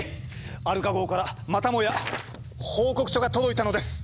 アルカ号からまたもや報告書が届いたのです。